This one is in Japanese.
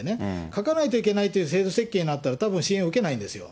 書かないといけないという制度設計になったらたぶん支援を受けないんですよ。